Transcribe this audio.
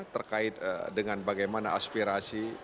terkait dengan bagaimana aspirasi